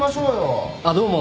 ・あっどうも。